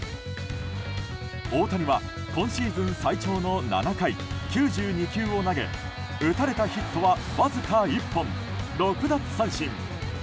大谷は、今シーズン最長の７回９２球を投げ打たれたヒットはわずか１本６奪三振。